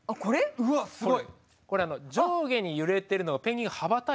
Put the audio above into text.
うわっすごい！